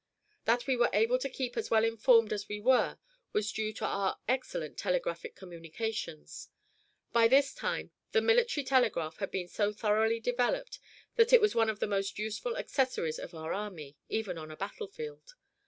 That we were able to keep as well informed as we were was due to our excellent telegraphic communications. By this time the military telegraph had been so thoroughly developed that it was one of the most useful accessories of our army, even on a battlefield.